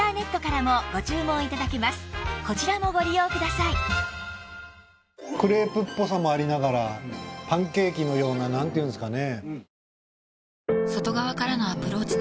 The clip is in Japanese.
さらにクレープっぽさもありながらパンケーキのようななんていうんですかね。